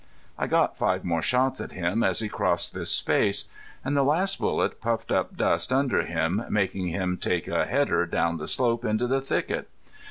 I got five more shots at him as he crossed this space, and the last bullet puffed up dust under him, making him take a header down the slope into the thicket.